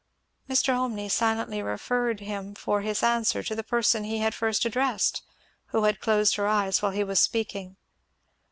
Mr. Olmney silently referred him for his answer to the person he had first addressed, who had closed her eyes while he was speaking.